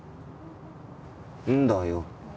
んだよ